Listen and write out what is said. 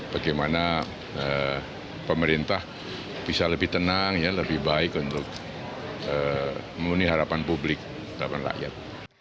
bagaimana pemerintah bisa lebih tenang lebih baik untuk memenuhi harapan publik harapan rakyat